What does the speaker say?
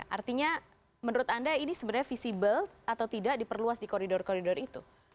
artinya menurut anda ini sebenarnya visible atau tidak diperluas di koridor koridor itu